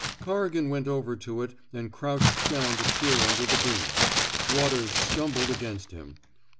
Corrigan went over to it and crouched down to peer under the beams. Waters stumbled against him.